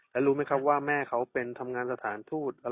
แล้วรู้ไหมครับว่าแม่เขาเป็นทำงานสถานทูต